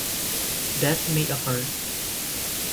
Death may occur.